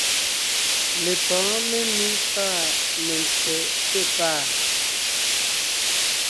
Lepɔ̌ɔn memí pâ mentse té pàa.